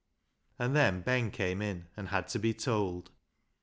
And then Ben came in and had to be told.